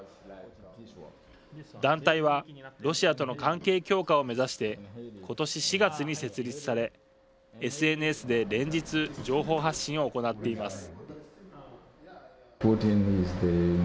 団体はロシアとの関係強化を目指して今年４月に設立されＳＮＳで連日情報発信を行っています。